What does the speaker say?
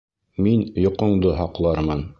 Мин йоҡоңдо һаҡлармын.